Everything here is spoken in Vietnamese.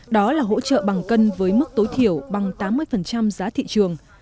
đó là hỗ trợ bằng cân với mức tối thiểu bằng tám mươi giá thị trường